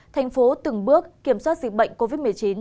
thành phố từng bước kiểm soát dịch bệnh covid một mươi chín